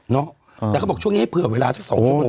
แต่เขาบอกช่วงนี้ให้เผื่อเวลาสัก๒ชั่วโมง